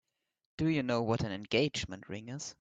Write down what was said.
Do you know what an engagement ring is?